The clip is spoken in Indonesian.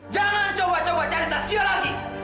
jangan coba coba cari saya siapa lagi